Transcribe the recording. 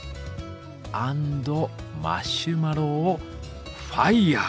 アンドマシュマロをファイアー！